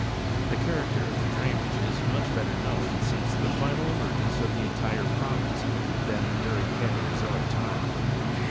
'The character of the drainage is much better known since the final emergence of the entire province than during Paleozoic time.